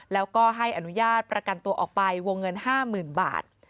แล้วก็ให้อนุญาตประกันตัวออกไปวงเงิน๕๐๐๐บาท